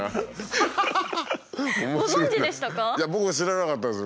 いや僕も知らなかったです